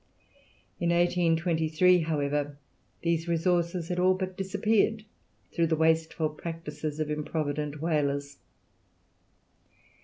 In 1823, however, these resources had all but disappeared, through the wasteful practices of improvident whalers.